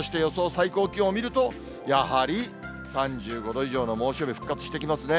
最高気温を見ると、やはり３５度以上の猛暑日復活してきますね。